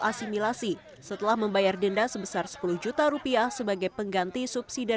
asimilasi setelah membayar denda sebesar sepuluh juta rupiah sebagai pengganti subsidi